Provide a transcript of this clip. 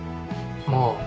まあ。